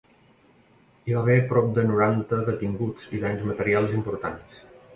Hi va haver prop de noranta detinguts i danys materials importants.